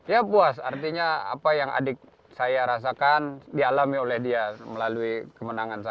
ya puas artinya apa yang adik saya rasakan dialami oleh dia melalui kemenangan saya